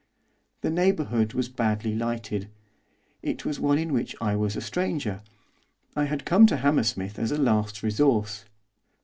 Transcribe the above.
The neighbourhood was badly lighted. It was one in which I was a stranger. I had come to Hammersmith as a last resource.